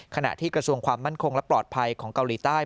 ขณะที่กระทรวงความมั่นคงและปลอดภัยของเกาหลีใต้